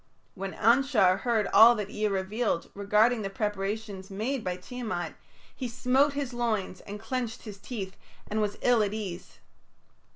When Anshar heard all that Ea revealed regarding the preparations made by Tiamat, he smote his loins and clenched his teeth, and was ill at ease.